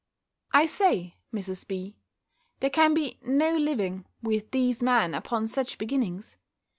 I say, Mrs. B., there can be no living with these men upon such beginnings.